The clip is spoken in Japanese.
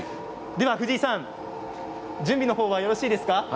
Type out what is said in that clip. では藤井さん準備のほうはよろしいですか。